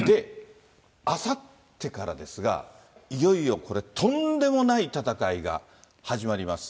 あさってからですが、いよいよこれ、とんでもない戦いが始まります。